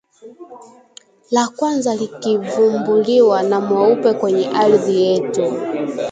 la kwanza likivumbuliwa na mweupe kwenye ardhi yetu